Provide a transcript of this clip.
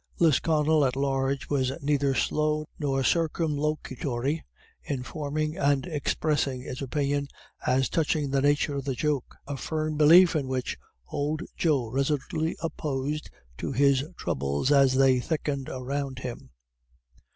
Lisconnel at large was neither slow nor circumlocutory in forming and expressing its opinion as touching the nature of the joke, a firm belief in which old Joe resolutely opposed to his troubles as they thickened around him.